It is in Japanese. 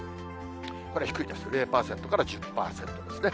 これ、低いです、０％から１０％ですね。